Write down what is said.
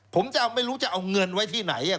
ผมจะเอาไม่รู้จะเอาเงินไว้ที่ไหนคุณมิ้น